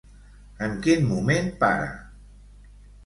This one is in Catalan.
En quin moment para?